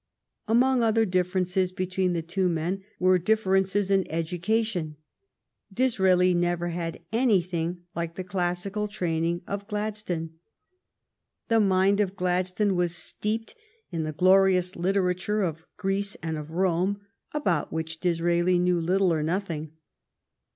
Among other differ ences between the two men were differences in education. Disraeli never had anything like the classical training of Gladstone. The mind of Gladstone was steeped in the glorious literature of Greece and of Rome, about which Disraeli knew little or nothing.